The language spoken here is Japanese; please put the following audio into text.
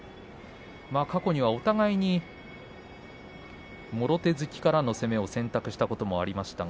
過去にはお互いにもろ手突きからの攻めを選択したこともありました。